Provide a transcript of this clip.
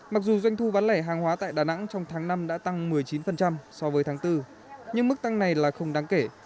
mặc dù doanh thu bán lẻ hàng hóa tại đà nẵng trong tháng năm đã tăng một mươi chín so với tháng bốn nhưng mức tăng này là không đáng kể